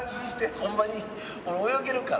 ホンマに、俺、泳げるから。